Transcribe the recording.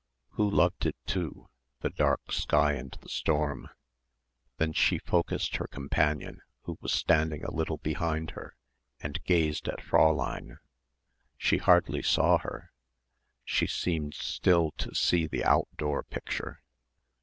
Who loved it too, the dark sky and the storm? Then she focussed her companion who was standing a little behind her, and gazed at Fräulein; she hardly saw her, she seemed still to see the outdoor picture.